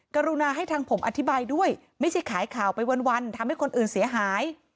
กรุณาให้ทางผมอธิบายด้วยไม่ใช่ขายข่าวไปวันทำให้คนอื่นเสียหาย